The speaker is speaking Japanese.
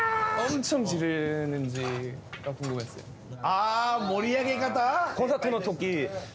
あ盛り上げ方。